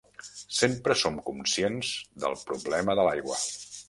Sempre som conscients del problema de l'aigua.